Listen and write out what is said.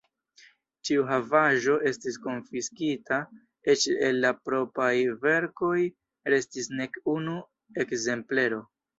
Ĉiu havaĵo estis konfiskita, eĉ el la propraj verkoj restis nek unu ekzemplero.